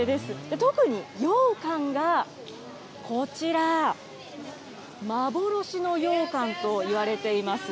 特にようかんがこちら、幻のようかんといわれています。